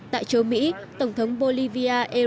tại châu mỹ tổng thống bolivia evo